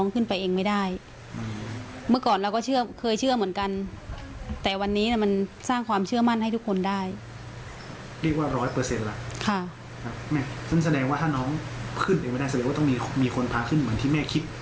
ขึ้นไปไม่ได้แสดงว่าต้องมีคนพาขึ้นเหมือนที่แม่คิด